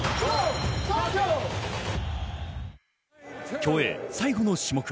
競泳、最後の種目。